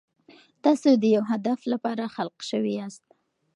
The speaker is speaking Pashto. تاسو د یو هدف لپاره خلق شوي یاست.